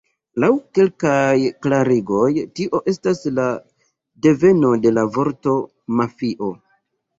Laŭ kelkaj klarigoj tio estas la deveno de la vorto "mafio".